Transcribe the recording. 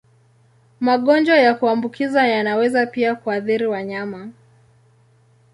Magonjwa ya kuambukiza yanaweza pia kuathiri wanyama.